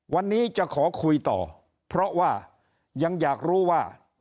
วันนี้จะขอคุยต่อเพราะว่ายังอยากรู้ว่า